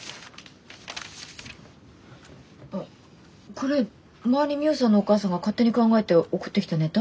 これ前にミホさんのお母さんが勝手に考えて送ってきたネタ？